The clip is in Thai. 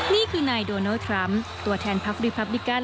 นี่คือนายโดนัลดทรัมป์ตัวแทนพักรีพับบิกัน